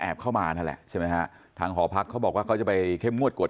เข้ามานั่นแหละใช่ไหมฮะทางหอพักเขาบอกว่าเขาจะไปเข้มงวดกฎ